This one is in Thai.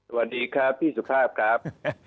สวัสดีครับพี่สุภาพครับ